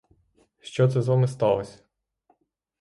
Що це з вами сталось?